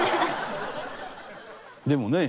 でもね